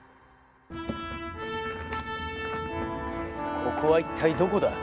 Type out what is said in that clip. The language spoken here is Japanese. ここは一体どこだ？